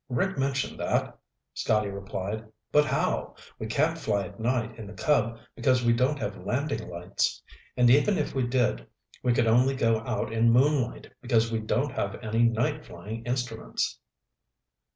"Rick mentioned that," Scotty replied. "But how? We can't fly at night in the Cub because we don't have landing lights. And even if we did, we could only go out in moonlight because we don't have any night flying instruments."